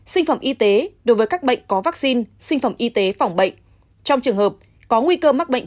sinh phẩm y tế đối với các bệnh có vaccine sinh phẩm y tế phòng bệnh trong trường hợp có nguy cơ mắc bệnh